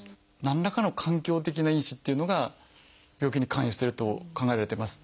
何らかの環境的な因子っていうのが病気に関与してると考えられています。